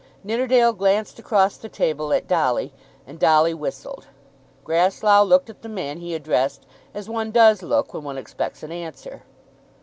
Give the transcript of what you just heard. Nidderdale glanced across the table at Dolly, and Dolly whistled. Grasslough looked at the man he addressed as one does look when one expects an answer.